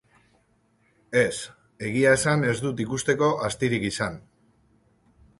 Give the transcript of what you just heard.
Ez, egia esan ez dut ikusteko astirik izan.